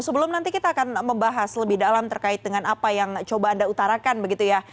sebelum nanti kita akan membahas lebih dalam terkait dengan apa yang coba anda utarakan begitu ya